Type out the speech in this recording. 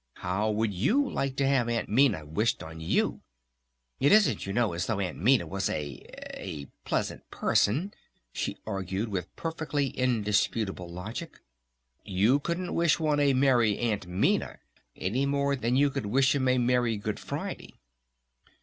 How would you like to have Aunt Minna wished on you?... It isn't you know as though Aunt Minna was a a pleasant person," she argued with perfectly indisputable logic. "You couldn't wish one 'A Merry Aunt Minna' any more than you could wish 'em a 'Merry Good Friday'!"